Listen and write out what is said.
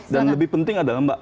dan lebih penting adalah mbak